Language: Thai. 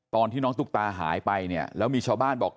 ตอนที่น้องตุ๊กตาหายไปเนี่ยแล้วมีชาวบ้านบอก